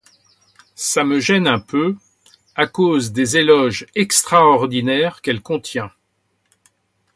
Ça me gêne un peu, à cause des éloges extraordinaires qu'elle contient.